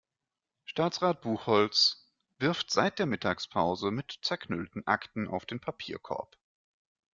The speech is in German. Staatsrat Buchholz wirft seit der Mittagspause mit zerknüllten Akten auf den Papierkorb.